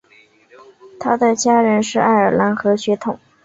他的家人是爱尔兰和血统。